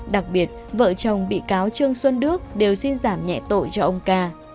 đặc biệt vợ chồng bị cáo trương xuân đức đều xin giảm nhẹ tội cho ông ca